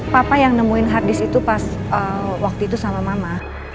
papa yang nemuin hadis itu pas waktu itu sama mama